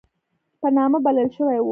په نامه بلل شوی وو.